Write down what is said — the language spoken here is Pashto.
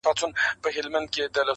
• يو ما و تا.